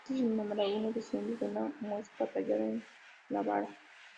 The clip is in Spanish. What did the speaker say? Así, el numeral 'I' desciende de una muesca tallada en la vara.